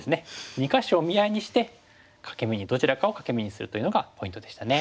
２か所を見合いにしてどちらかを欠け眼にするというのがポイントでしたね。